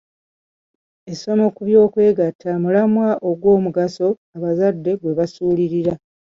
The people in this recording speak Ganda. Essomo ku by'okwegatta mulamwa ogw'omugaso abazadde gwe basuulirira.